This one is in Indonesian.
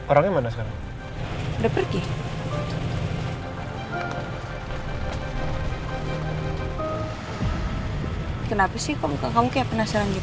orangnya mana sekarang